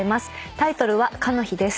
タイトルは『かの日、』です。